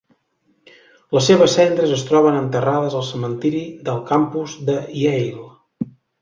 Les seves cendres es troben enterrades al cementiri del campus de Yale.